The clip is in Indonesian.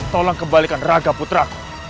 tolong kembalikan raga putraku